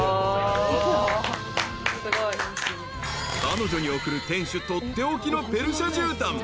［彼女に贈る店主取って置きのペルシャじゅうたん］